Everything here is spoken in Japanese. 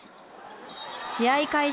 試合開始